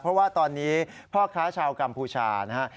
เพราะว่าตอนนี้พ่อค้าชาวกัมพูชานะฮะ